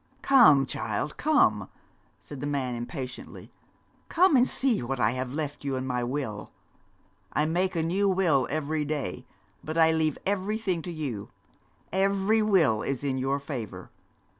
'Come, child, come!' said the man impatiently. 'Come and see what I have left you in my will. I make a new will every day, but I leave everything to you every will is in your favour.